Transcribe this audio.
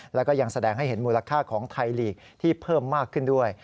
แล้วก็ยังแสดงให้เห็นมูลค่าของไทยลีกที่เพิ่มมากขึ้นด้วย